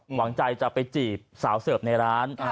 หวังใจจะไปจีบสาวเสิร์ฟในร้าน